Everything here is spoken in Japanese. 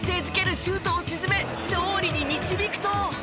シュートを沈め勝利に導くと。